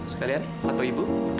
sekalian atau ibu